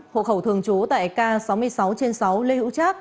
hộ khẩu thường trú tại k sáu mươi sáu trên sáu lê hữu trác